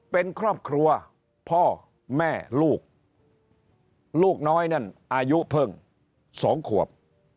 เป็นครอบครัวพ่อแม่ลูกลูกน้อยนั่นอายุเพิ่ง๒ขวบ